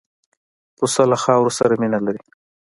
پسه له خاورو سره مینه لري.